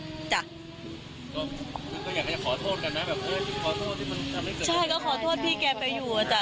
ก็อยากจะขอโทษกันนะแบบโอ้ยขอโทษที่มันใช่ก็ขอโทษพี่แกไปอยู่อ่ะจ้ะ